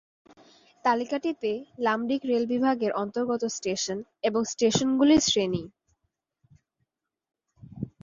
তালিকাটিতে লামডিং রেল বিভাগের অন্তর্গত স্টেশন এবং স্টেশনগুলির শ্রেনি।